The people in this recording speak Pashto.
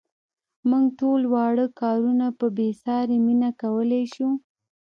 موږ ټول واړه کارونه په بې ساري مینه کولای شو.